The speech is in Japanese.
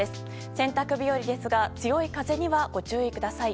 洗濯日和ですが強い風にはご注意ください。